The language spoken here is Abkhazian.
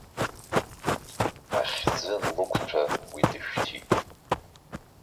Ахьӡы анлықәҭәа уи дышәҭит.